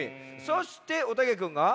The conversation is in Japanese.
そしておたけくんが。